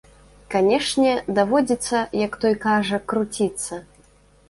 Канешне, даводзіцца, як той кажа, круціцца.